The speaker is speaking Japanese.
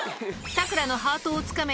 サクラのハートをつかめ！